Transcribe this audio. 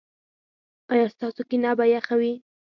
ایا ستاسو کینه به یخه وي؟